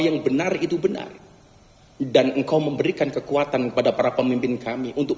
yang benar itu benar dan engkau memberikan kekuatan kepada para pemimpin kami untuk